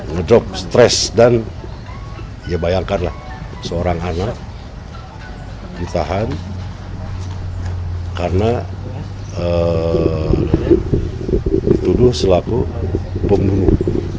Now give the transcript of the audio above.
ngedrop stres dan ya bayangkanlah seorang anak ditahan karena dituduh selaku pembunuh